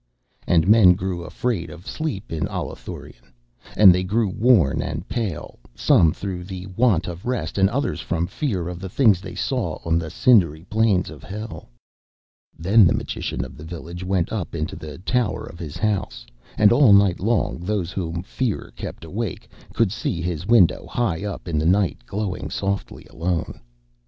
And men grew afraid of sleep in Allathurion. And they grew worn and pale, some through the want of rest, and others from fear of the things they saw on the cindery plains of Hell. Then the magician of the village went up into the tower of his house, and all night long those whom fear kept awake could see his window high up in the night glowing softly alone.